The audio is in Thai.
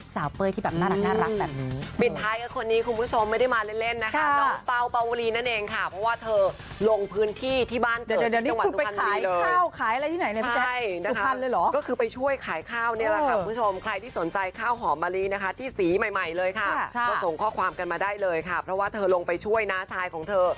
ส่งข้อความกันมาได้เลยครับเพราะว่าเธอลงไปช่วยหน้าชายของเธอ